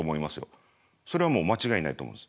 それは間違いないと思うんです。